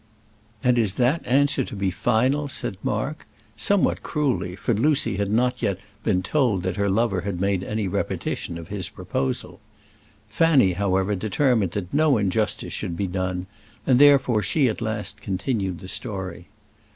"And is that answer to be final?" said Mark, somewhat cruelly, for Lucy had not yet been told that her lover had made any repetition of his proposal. Fanny, however, determined that no injustice should be done, and therefore she at last continued the story.